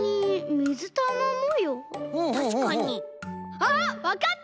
あっわかった！